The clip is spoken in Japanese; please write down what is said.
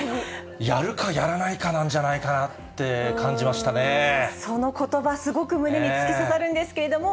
やるかやらないかなんじゃなそのことば、すごく胸に突き刺さるんですけれども、